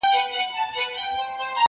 د غمازانو مخ به تور وو اوس به وي او کنه٫